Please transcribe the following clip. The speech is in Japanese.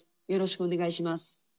よろしくお願いします。